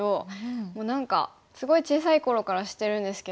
もう何かすごい小さい頃から知ってるんですけど。